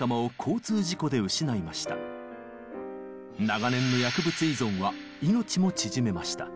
長年の薬物依存は命も縮めました。